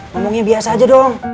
ngomongnya biasa aja dong